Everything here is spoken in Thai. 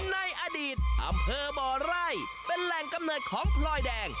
ในอดีตอำเภอบ่อไร่เป็นแหล่งกำเนิดของพลอยแดง